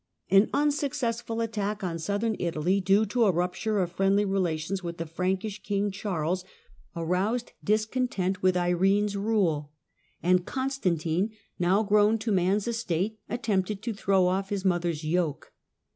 An unsuccessful tttack on Southern Italy, due to a rupture of friendly elations with the Frankish King Charles, aroused dis :ontent with Irene's rule, and Constantine, now grown o man's estate, attempted to throw off his mother's roke.